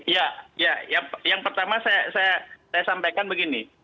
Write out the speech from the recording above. ya ya yang pertama saya sampaikan begini